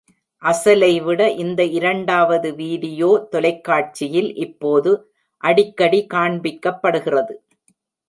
அசலை விட இந்த இரண்டாவது வீடியோ தொலைக்காட்சியில் இப்போது அடிக்கடி காண்பிக்கப்படுகிறது.